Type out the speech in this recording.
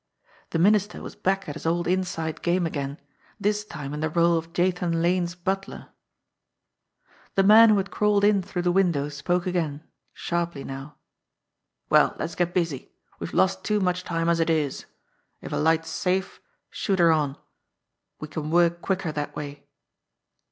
The Minister was back at his old inside game again this time in the role of Jathan Lane's butler ! The man who had crawled in through the window spoke again sharply now : "Well, let's get busy ! We've lost too much time, as it is. If a light's safe, shoot her on; we can work quicker that way."